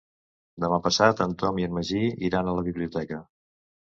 Demà passat en Tom i en Magí iran a la biblioteca.